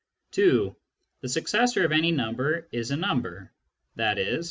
(2) " The successor of any number is a number," i.e.